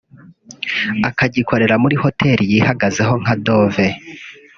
akagikorera muri Hotel yihagazeho nka Dove